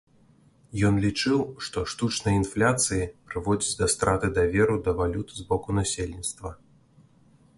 Ён лічыў, што штучная інфляцыі прыводзіць да страты даверу да валюты з боку насельніцтва.